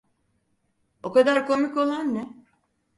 O kadar komik olan ne?